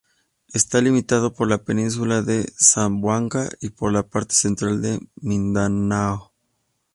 Está limitado por la península de Zamboanga y por la parte central de Mindanao.